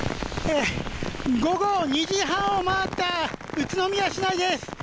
午後２時半を回った宇都宮市内です。